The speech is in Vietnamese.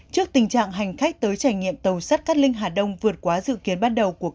trước tình trạng hành khách tới trải nghiệm tàu sắt cắt linh hà đông vượt quá dự kiến bắt đầu của công